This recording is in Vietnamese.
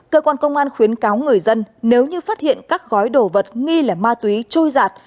cơ quan công an khuyến cáo người dân nếu như phát hiện các gói đồ vật nghi là ma túy trôi giạt